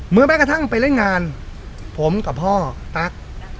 แม้กระทั่งไปเล่นงานผมกับพ่อตั๊ก